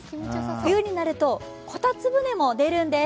冬になるとこたつ船も出るんです。